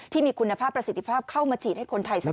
ที่มีคุณภาพประสิทธิภาพเข้ามาฉีดให้คนไทยเสมอ